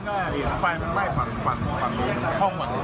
ก็เห็นไฟมันไหว้ฝั่งห้องหมด